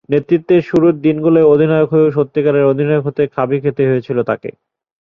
নেতৃত্বের শুরুর দিনগুলোয় অধিনায়ক হয়েও সত্যিকারের অধিনায়ক হতে খাবি খেতে হয়েছে তাঁকে।